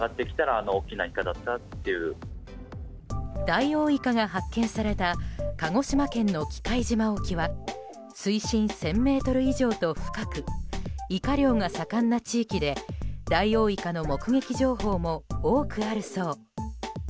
ダイオウイカが発見された鹿児島県の喜界島沖は水深１０００ｍ以上と深くイカ漁が盛んな地域でダイオウイカの目撃情報も多くあるそう。